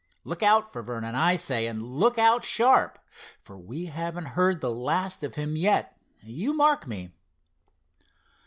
Look out for Vernon, I say, and look out sharp, for we haven't heard the last of him yet, you mark me!"